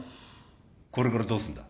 これからどうするんだ？